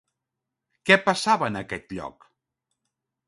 Què passava en aquest lloc?